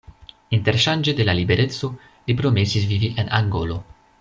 Interŝanĝe de la libereco, li promesis vivi en Angolo.